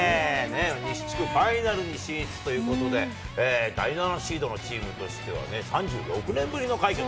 西地区ファイナルに進出ということで、第７シードのチームとしてはね、３６年ぶりの快挙。